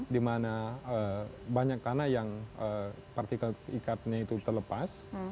di mana banyak tanah yang partikel ikatnya itu terlepas